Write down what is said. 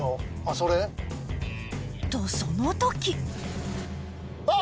それ？とその時あっ！